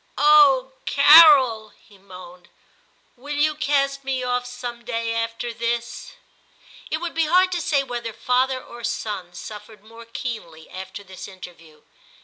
* Oh ! Carol,' he moaned, * will you cast me off some day after this ?' It would be hard to say whether father or son suffered more keenly after this interview.